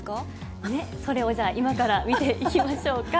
それをじゃあ、今から見ていきましょうか。